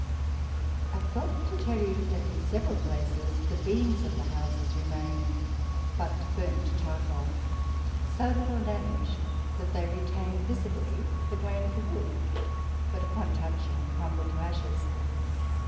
I forgot to tell you, that in several places the beams of the houses remain, but burnt to ckarcoal ; so little damaged that they retain visibly the grain of the wood, but upon touching crumble to aslies.